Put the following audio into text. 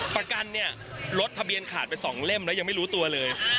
ประกันเนี่ยรถทะเบียนขาดไป๒เล่มแล้วยังไม่รู้ตัวเลย